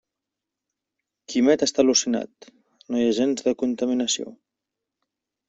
Quimet està al·lucinat: no hi ha gens de contaminació.